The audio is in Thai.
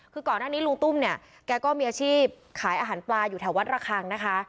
คือก่อนหน้านี้ลุงตุ้มเนี่ยแกก็มีอาชีพขายอาหารปลาอยู่แถววัดระคังนะคะ